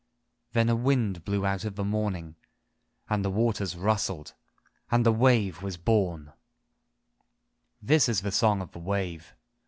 Then a wind blew out of the morning And the waters rustled And the wave was born! IV This is the song of the wave